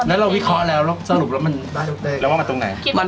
แล้วเราวิเคราะห์แล้วสรุปแล้วมันได้ตรงไหน